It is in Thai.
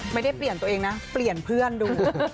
ไม่ได้เปลี่ยนตัวเองนะเปลี่ยนเพื่อนดู